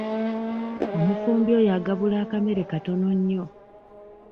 Omufumbi oyo agabula akamere katono nnyo.